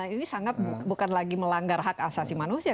ini sangat bukan lagi melanggar hak asasi manusia